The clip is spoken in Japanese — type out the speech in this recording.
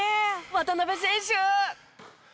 渡邊選手。